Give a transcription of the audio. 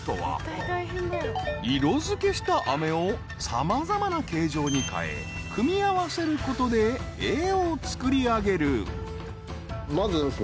［色付けしたあめを様々な形状に変え組み合わせることで絵を作りあげる］